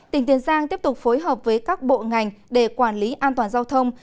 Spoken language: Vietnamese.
tỉnh tiền giang tiếp tục phối hợp với các bộ ngành để quản lý an toàn giao thông